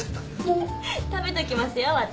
食べときますよ私。